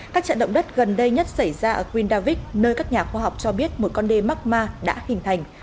các trận động đất gần đây nhất xảy ra ở grindavik nơi các nhà khoa học cho biết một con đê magma đã hình thành